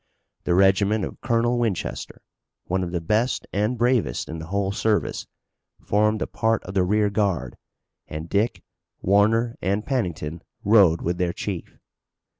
The regiment of Colonel Winchester, one of the best and bravest in the whole service, formed a part of the rearguard, and Dick, Warner and Pennington rode with their chief.